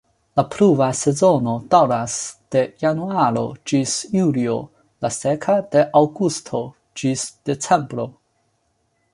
La pluva sezono daŭras de januaro ĝis julio, la seka de aŭgusto ĝis decembro.